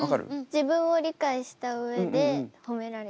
自分を理解した上で褒められるのは。